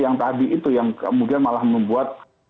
yang tadi itu yang kemudian malah membuat